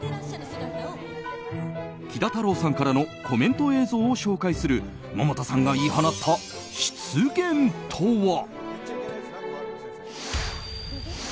キダ・タローさんからのコメント映像を紹介する百田さんが言い放った失言とは。